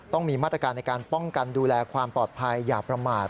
ต้องมีมาตรการในการป้องกันดูแลความปลอดภัยอย่าประมาท